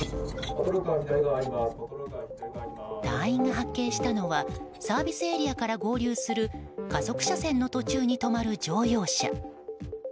隊員が発見したのはサービスエリアから合流する加速車線の途中に止まる乗用車。